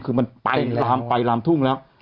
คือมันไปลามไปลามทุ่งแล้ว